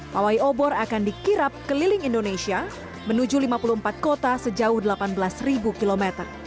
pawai obor akan dikirap keliling indonesia menuju lima puluh empat kota sejauh delapan belas km